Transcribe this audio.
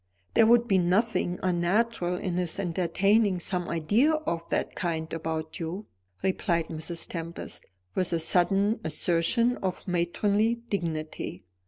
"There would be nothing unnatural in his entertaining some idea of that kind about you," replied Mrs. Tempest, with a sudden assertion of matronly dignity.